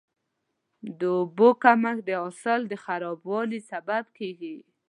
د اوبو کمښت د حاصل د خرابوالي سبب کېږي.